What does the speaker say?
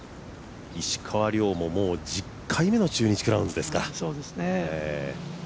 石川遼ももう１０回目の中日クラウンズですか。